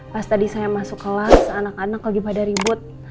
pas tadi saya masuk kelas anak anak lagi pada ribut